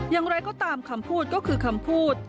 อย่างไรก็ตามคำพูดก็คือคำพูด